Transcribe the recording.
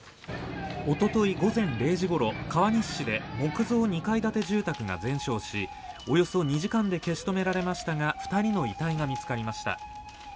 おととい午前０時ごろ川西市で木造２階建て住宅が全焼しおよそ２時間で消し止められましたが２人の遺体が見つかりました。